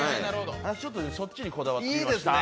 そっちにこだわってみました。